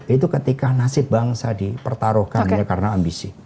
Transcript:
itu ketika nasib bangsa dipertaruhkan ya karena ambisi